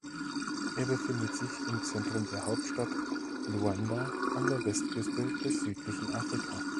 Er befindet sich im Zentrum der Hauptstadt Luanda an der Westküste des südlichen Afrika.